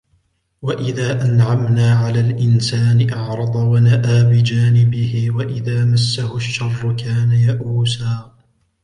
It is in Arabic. وإذا أنعمنا على الإنسان أعرض ونأى بجانبه وإذا مسه الشر كان يئوسا